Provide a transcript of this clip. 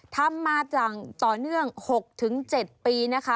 ทำมาจากต่อเนื่อง๖๗ปีนะคะ